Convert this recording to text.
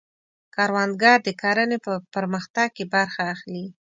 کروندګر د کرنې په پرمختګ کې برخه اخلي